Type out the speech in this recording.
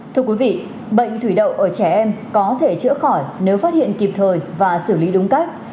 thưa quý vị bệnh thủy đậu ở trẻ em có thể chữa khỏi nếu phát hiện kịp thời và xử lý đúng cách